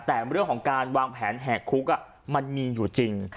แต่เรื่องของการวางแผนแหกคุกมันมีอยู่จริง